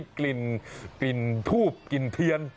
กลิ่นทูบกลิ่นเทียน